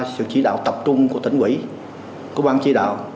sự chỉ đạo tập trung của tỉnh quỹ của ban chỉ đạo